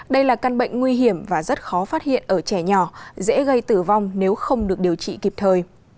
đây là căn bệnh nguy hiểm và rất khó phát hiện ở trẻ nhỏ dễ gây tử vong nếu không được điều trị kịp thời